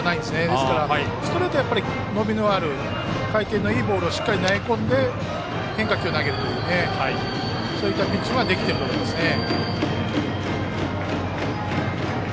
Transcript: ですからストレートは伸びのある回転のいいボールをしっかり投げ込んでそして変化球を投げるというそういったピッチングはできていると思いますね。